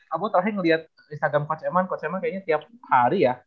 abbo terakhir ngeliat di kagam coach eman coach eman kayaknya tiap hari ya